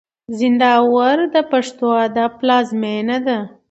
زينداور د پښتو ادب پلازمېنه ده.